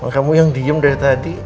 kamu yang diem dari tadi